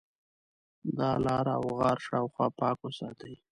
د ا لاره او غار شاوخوا پاک وساتئ.